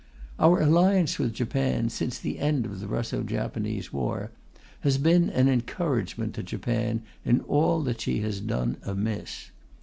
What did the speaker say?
Our Alliance with Japan, since the end of the Russo Japanese war, has been an encouragement to Japan in all that she has done amiss.